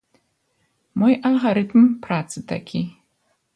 Мой алгарытм працы такі.